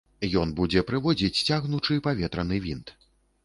Ён будзе прыводзіць цягнучы паветраны вінт.